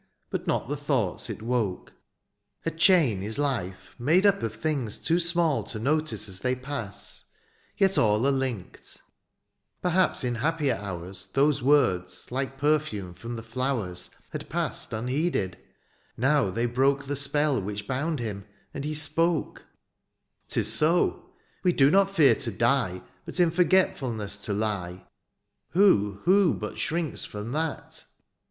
But not the thoughts it woke :— ^a chain THE AREOPAGITE. 39 Is life made up of things too smaU To notice as they pass^ yet all Are linked : perhaps in happier hours Those words^ like perfume from the flowers^ Had passed unheeded ; now they broke The spell which bound him^ and he spoke : "T^s so ; we do not fear to die, '^ But in forgetfulness to lie. ^* Who, who but shrinks from that